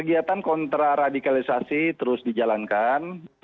kegiatan kontraradikalisasi terus dijalankan